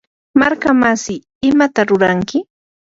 markamasi, ¿imata ruranki?